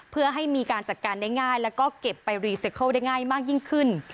เพื่อให้มีการจัดการได้ง่ายแล้วก็เก็บไปรีไซเคิลได้ง่ายมากยิ่งขึ้น